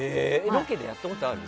ロケでやったことある？